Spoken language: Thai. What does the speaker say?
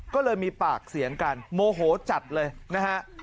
ก็เลยมีปากเสียงกันโมโหจัดเลยนะฮะ